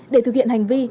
để thực hiện hành vi